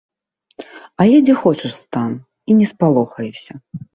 А я дзе хочаш стану і не спалохаюся.